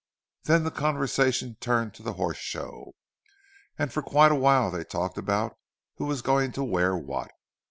Then the conversation turned to the Horse Show, and for quite a while they talked about who was going to wear what.